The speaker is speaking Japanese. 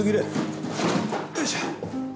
よいしょ！